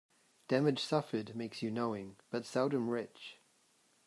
Damage suffered makes you knowing, but seldom rich.